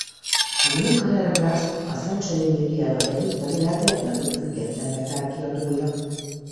A Nuclear Blast a Century Mediával együtt a világ legnagyobb független metal kiadója.